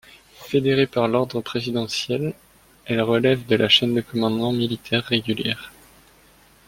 Fédérées par l’ordre présidentiel, elles relèvent de la chaîne de commandement militaire régulière.